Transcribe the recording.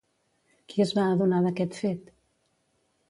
Qui es va adonar d'aquest fet?